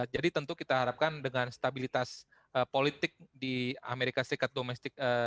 jadi tentu kita harapkan dengan stabilitas politik di amerika serikat domestik